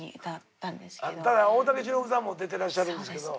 ただ大竹しのぶさんも出てらっしゃるんですけど。